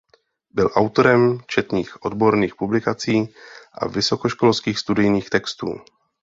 Byl autorem četných odborných publikací a vysokoškolských studijních textů.